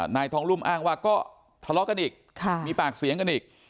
นายทองรุ่มอ้างว่าก็ทะเลาะกันอีกมีปากเสียงกันอีก